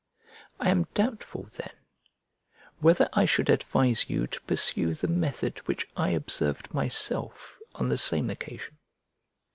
I am doubtful, then, whether I should advise you to pursue the method which I observed myself on the same occasion.